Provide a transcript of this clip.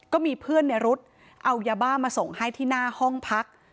ก็มีเพื่อนในรถเอายาบ้ามาส่งให้ที่หน้าห้องพัก